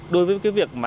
đối với cái việc mà